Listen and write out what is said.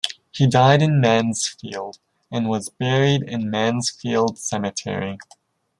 He died in Mansfield, and was buried in Mansfield Cemetery.